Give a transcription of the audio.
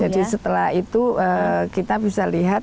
jadi setelah itu kita bisa lihat